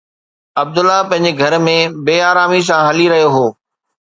عبدالله پنهنجي گهر ۾ بي آراميءَ سان هلي رهيو هو